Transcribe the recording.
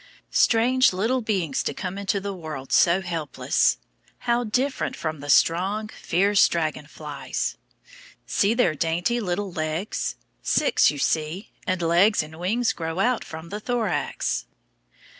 Strange little beings to come into the world so helpless! How different from the strong, fierce dragon flies! See their dainty little legs. Six, you see, and legs and wings grow out from the thorax.